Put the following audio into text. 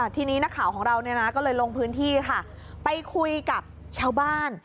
ทีนี้นักข่าวของเราก็เลยลงพื้นที่ค่ะไปคุยกับชาวบ้าน